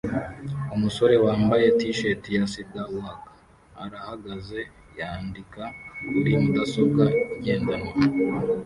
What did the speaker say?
Umusore wambaye t-shirt ya SIDA WALK arahagaze yandika kuri mudasobwa igendanwa